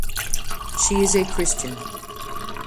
She is a Christian.